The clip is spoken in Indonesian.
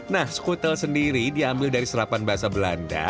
nah skutel sendiri diambil dari serapan bahasa belanda